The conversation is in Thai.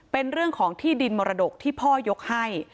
เป็นเรื่องของที่ดินมรดกที่พ่อยกให้